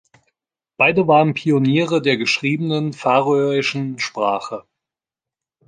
Beide waren Pioniere der geschriebenen färöischen Sprache.